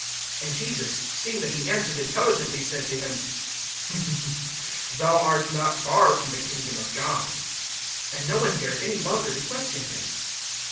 (34)And Jesus, seeing that he answered intelligently, said to him: Thou art not far from the kingdom of God. And no one dared any longer to question him.